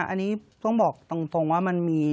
อันนี้ต้องบอกตรงว่ามันมี